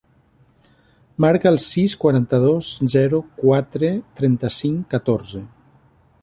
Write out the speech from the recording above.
Marca el sis, quaranta-dos, zero, quatre, trenta-cinc, catorze.